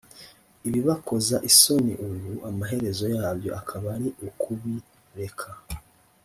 ibibakoza isoni ubu amaherezo yabyo akaba ari ukubireka